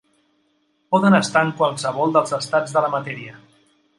Poden estar en qualsevol dels estats de la matèria.